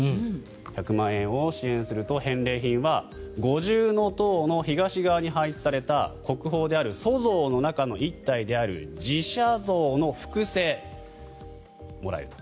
１００万円を支援すると返礼品は五重塔の東側に配置された国宝である塑像の中の１体である侍者像の複製がもらえると。